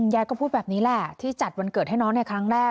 ยายก็พูดแบบนี้ซึ่งจัดวันเกิดให้เนิ่นน้องเธอชัดให้ของเรา